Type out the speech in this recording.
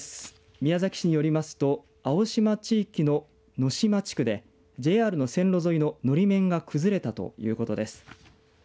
宮崎市によりますと青島地域の五島地区でＪＲの線路沿いののり面が崩れたということです。